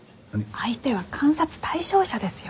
相手は監察対象者ですよ。